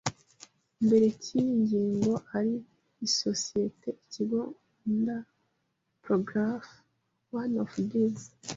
mbere cy iyi ngingo ari isosiyete ikigo under Paragraph One of this